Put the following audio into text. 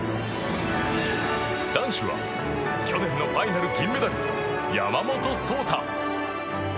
男子は去年のファイナル銀メダル山本草太。